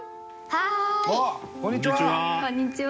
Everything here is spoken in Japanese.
こんにちは。